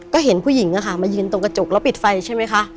ก็เห็นผู้หญิงมายืนตรงกระจกแล้วปิดไฟใช่ไหมคะ